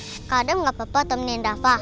kak adam gak apa apa temenin rafa